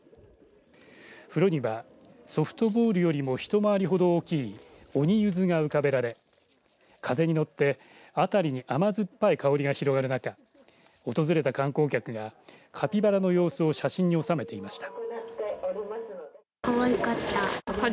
風呂にはソフトボールよりも一回りほど大きい鬼ゆずが浮かべられ風に乗って辺りに甘酸っぱい香りが広がるなか訪れた観光客がカピバラの様子を写真に収めていました。